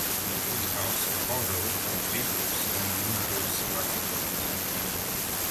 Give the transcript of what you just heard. Woodhouse co-wrote three books and numerous articles.